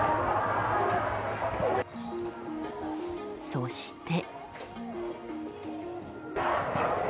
そして。